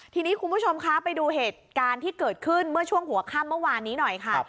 ทีนี้คุณผู้ชมคะไปดูเหตุการณ์ที่เกิดขึ้นเมื่อช่วงหัวค่ำเมื่อวานนี้หน่อยค่ะ